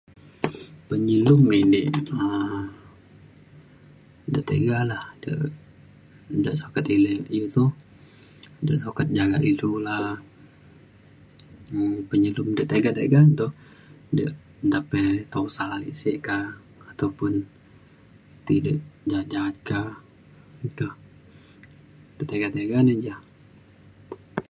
penyelum edei um de tega lah de de sukat ilu iu toh de sukat jagak ilu la um penyelum de tega tega toh de nta pe tusah ale sek ka ataupun ti de ja’at ja’at ka meka de tega tega ne ja.